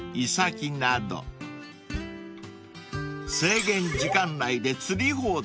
［制限時間内で釣り放題］